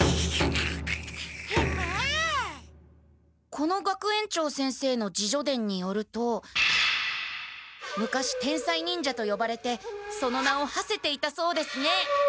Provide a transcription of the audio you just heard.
この学園長先生の自叙伝によると昔天才忍者とよばれてその名をはせていたそうですね。